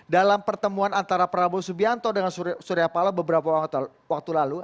dalam pertemuan antara prabowo subianto dengan surya paloh beberapa waktu lalu